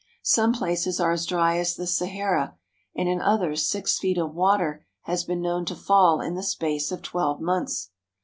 Some places are as dry as the Sahara, and in others six feet of water has been known to fall in the space of twelve months.